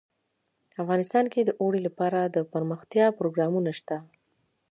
افغانستان کې د اوړي لپاره دپرمختیا پروګرامونه شته.